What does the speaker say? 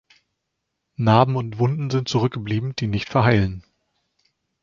Narben und Wunden sind zurückgeblieben, die nicht verheilen.